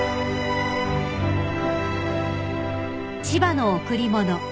［『千葉の贈り物』］